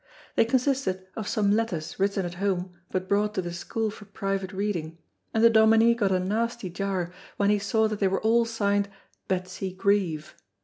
They consisted of some letters written at home but brought to the school for private reading, and the Dominie got a nasty jar when he saw that they were all signed "Betsy Grieve."